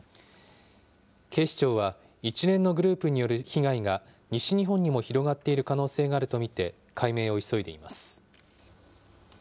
警視庁は一連のグループによる被害が西日本にも広がっている可能性があると見て、解明を急いでいます。